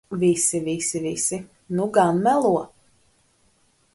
Visi, visi, visi... Nu gan melo!